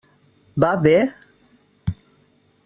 Va bé?